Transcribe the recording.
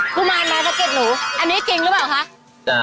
กุมารมาสะเก็ดหนูอันนี้จริงหรือเปล่าคะ